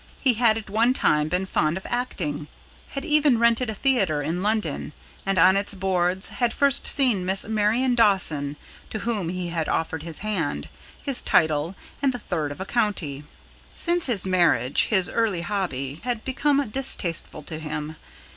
He had at one time been fond of acting, had even rented a theatre in London, and on its boards had first seen Miss Marion Dawson, to whom he had offered his hand, his title, and the third of a county. Since his marriage his early hobby had become distasteful to him.